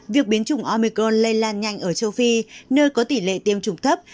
việc biến chủng omicron lây lan nhanh ở châu phi nơi có tỷ lệ tiêm chủng thấp